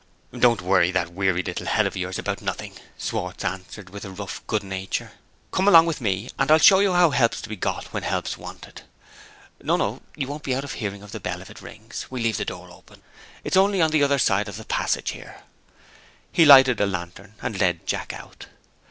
"Don't worry that weary little head of yours about nothing," Schwartz answered, with rough good nature. "Come along with me, and I'll show you where help's to be got when help's wanted. No! no! you won't be out of hearing of the bell if it rings. We'll leave the door open. It's only on the other side of the passage here." He lighted a lantern, and led Jack out.